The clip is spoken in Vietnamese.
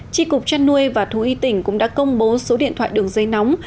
tri cục trăn nuôi và thú y tỉnh cũng đã công bố số điện thoại đường dây nóng